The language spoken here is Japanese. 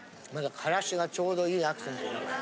からしがちょうど良いアクセント。